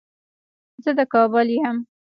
زه د کابل يم